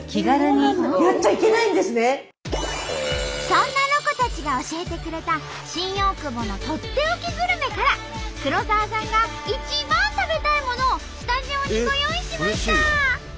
そんなロコたちが教えてくれた新大久保のとっておきグルメから黒沢さんが一番食べたいものをスタジオにご用意しました！